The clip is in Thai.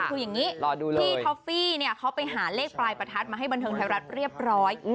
คืออย่างนี้พี่ท็อฟฟี่เนี่ยเขาไปหาเลขปลายประทัดมาให้บันเทิงไทยรัฐเรียบร้อย